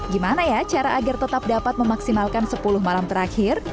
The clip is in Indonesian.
gimana ya cara agar tetap dapat memaksimalkan sepuluh malam terakhir